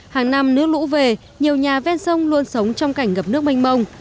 hàng năm nước lũ về nhiều nhà ven sông luôn sống trong cảnh ngập nước manh mông